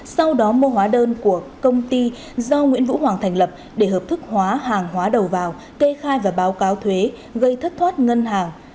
sau đó mua hóa đơn của công ty do nguyễn vũ hoàng thành lập để hợp thức hóa hàng hóa đầu vào kê khai và báo cáo thuế gây thất thoát ngân hàng